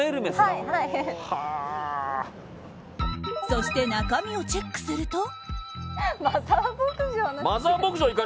そして中身をチェックすると。